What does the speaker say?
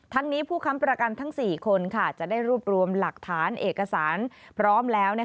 ทั้งนี้ผู้ค้ำประกันทั้ง๔คนจะได้รวบรวมหลักฐานเอกสารพร้อมแล้ว